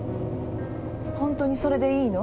ホントにそれでいいの？